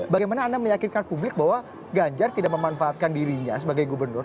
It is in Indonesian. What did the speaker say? bagaimana anda meyakinkan publik bahwa ganjar tidak memanfaatkan dirinya sebagai gubernur